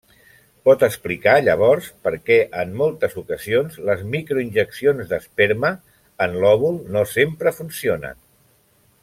Pot explicar, llavors, perquè en moltes ocasions les microinjeccions d'esperma en l'òvul no sempre funcionen.